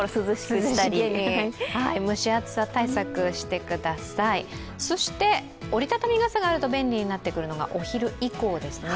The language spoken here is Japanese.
蒸し暑さ対策してください、折りたたみ傘が便利になってくるのがお昼以降ですね。